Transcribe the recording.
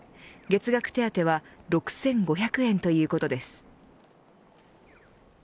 月額手当は６５００円ということです。